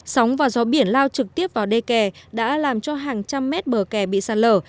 sóng và gió biển lao trực tiếp vào đê kè đã làm cho hàng trăm mét bờ kè bị sạt lở